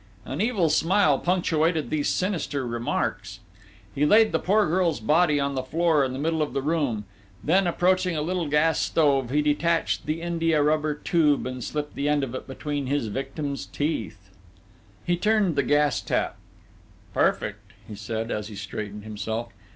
An evil smile punctuated these sinister remarks. He laid the poor girl's body on the floor in the middle of the room; then, approaching a little gas stove, he detached the india rubber tube and slipped the end of it between his victim's teeth. He turned the gas tap.... "Perfect!" he said, as he straightened himself.